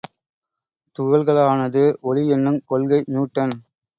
துகள்களாலனது ஒளி என்னுங் கொள்கை நியூட்டன்.